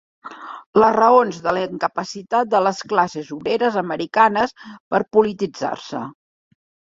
Les raons de la incapacitat de la classe obrera americana per polititzar-se.